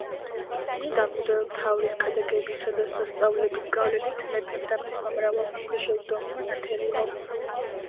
წმინდა მღვდელმთავრის ქადაგებისა და სასწაულების გავლენით მეფემ და მისმა მრავალმა ქვეშევრდომმა ნათელიღო.